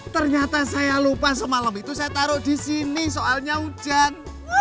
ternyata saya lupa semalam itu saya taruh di sini soalnya hujan